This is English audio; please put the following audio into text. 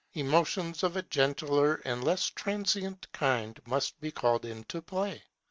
Emotions of a gentler and less transient kind must be called into play.